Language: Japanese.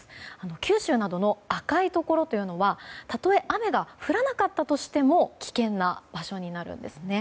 九州などの赤いところというのはたとえ雨が降らなかったとしても危険な場所になるんですね。